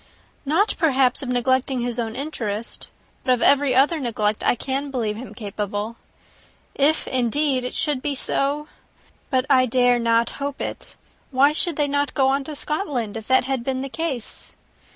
"Not perhaps of neglecting his own interest. But of every other neglect I can believe him capable. If, indeed, it should be so! But I dare not hope it. Why should they not go on to Scotland, if that had been the case?"